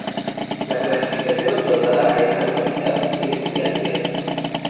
La calificación otorgada a esta localidad es de Aldea.